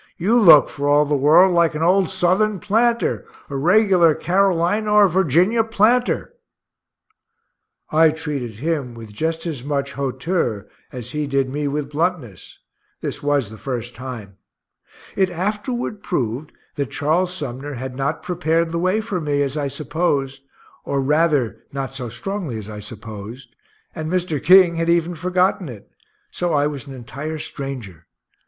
You look for all the world like an old Southern planter a regular Carolina or Virginia planter." I treated him with just as much hauteur as he did me with bluntness this was the first time it afterward proved that Charles Sumner had not prepared the way for me, as I supposed, or rather not so strongly as I supposed, and Mr. King had even forgotten it so I was an entire stranger.